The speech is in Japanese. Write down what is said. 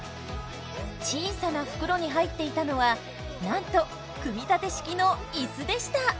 小さな袋に入っていたのはなんと組み立て式の椅子でした。